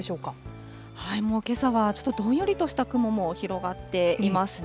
もうけさはちょっと、どんよりとした雲も広がっていますね。